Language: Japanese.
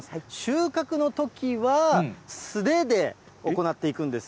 収穫のときは素手で行っていくんです。